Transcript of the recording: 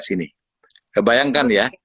sembilan belas ini bayangkan ya